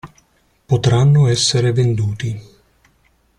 Potranno essere venduti.